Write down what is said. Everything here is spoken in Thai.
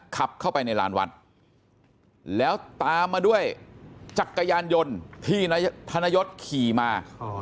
ขับเข้าไปในลานวัดแล้วตามมาด้วยจักรยานยนต์ที่นายธนยศขี่มา